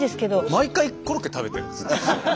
毎回コロッケ食べてんですね。